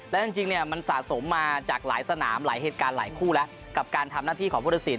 และจริงเนี่ยมันสะสมมาจากหลายสนามหลายเหตุการณ์หลายคู่แล้วกับการทำหน้าที่ของพุทธศิล